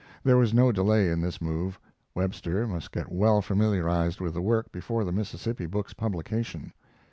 There was no delay in this move. Webster must get well familiarized with the work before the Mississippi book's publication.